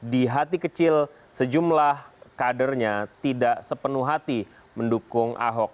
di hati kecil sejumlah kadernya tidak sepenuh hati mendukung ahok